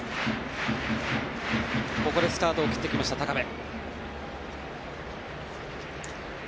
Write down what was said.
ここでスタートを切ってきました高部。